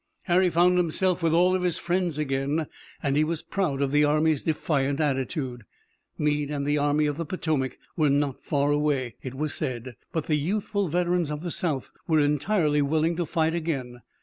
Harry found himself with all of his friends again, and he was proud of the army's defiant attitude. Meade and the Army of the Potomac were not far away, it was said, but the youthful veterans of the South were entirely willing to fight again.